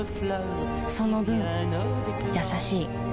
その分優しい